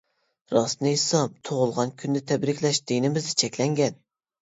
-راستىنى ئېيتسام. تۇغۇلغان كۈننى تەبرىكلەش دىنىمىزدا چەكلەنگەن.